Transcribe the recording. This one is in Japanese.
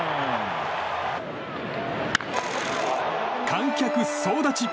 観客総立ち！